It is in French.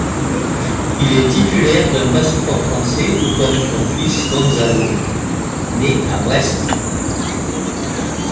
Il est titulaire d'un passeport français, tout comme son fils Gonzalo, né à Brest.